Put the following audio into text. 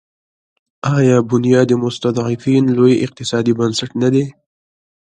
آیا بنیاد مستضعفین لوی اقتصادي بنسټ نه دی؟